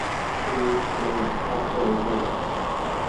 او ٽيم آڇو هيتو۔